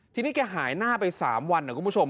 ทีนี้แกหายหน้าไป๓วันนะคุณผู้ชม